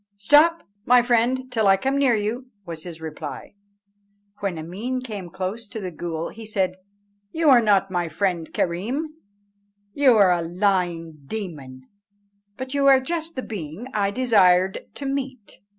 "Stop, my friend, till I come near you," was his reply. When Ameen came close to the ghool, he said, "You are not my friend Kerreem; you are a lying demon, but you are just the being I desired to meet.